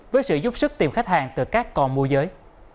với sự giúp sức tìm khách hàng từ các con mua giới